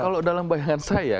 kalau dalam bayangan saya